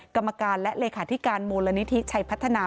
กรรมการและเลขาธิการมูลนิธิชัยพัฒนา